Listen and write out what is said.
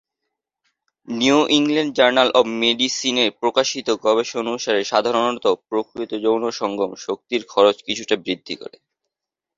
New England journal of মেডিসিনে প্রকাশিত গবেষণা অনুসারে সাধারণত প্রকৃত যৌন সঙ্গম শক্তির খরচ কিছুটা বৃদ্ধি করে।